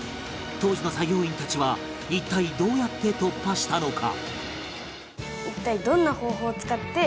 当時の作業員たちは一体どうやって突破したのか？